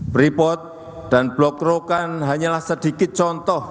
freeport dan blok rokan hanyalah sedikit contoh